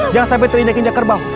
jangan sampai terindah kinjak kerbau